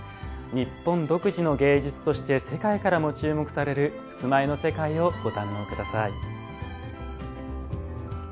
日本独自の芸術として世界からも注目される襖絵の世界をご堪能ください。